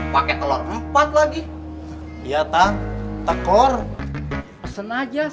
bos idan kemana ceh